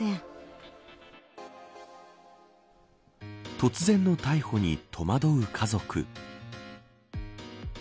突然の逮捕に戸惑う家族。